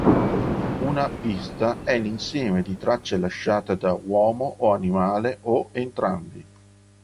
Una "pista" è l'insieme di tracce lasciate da uomo o animale o entrambi.